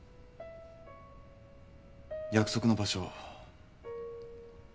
約束の場所